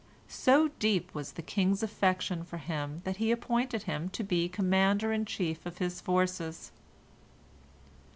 So deep was the king's affection for him that he appointed him to be commander in chief of his forces.